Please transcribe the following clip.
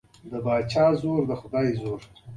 د کافي معلوماتو نه لرلو په صورت کې.